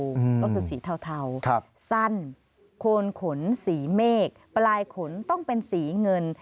ก็คือสีเทาสั้นโคนขนสีเมฆปลายขนต้องเป็นสีเงิน